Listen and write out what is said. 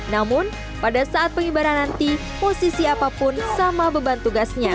namun pada saat pengibaran nanti posisi apapun sama beban tugasnya